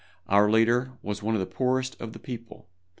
Our leader was one of the poorest of the people.